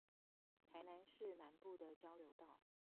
臺南市南部的交流道